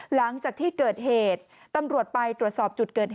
หลังจากที่เกิดเหตุตำรวจไปตรวจสอบจุดเกิดเหตุ